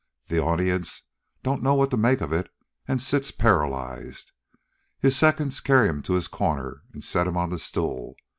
The audience don't know what to make of it an' sits paralyzed. His seconds carry 'm to his corner an' set 'm on the stool.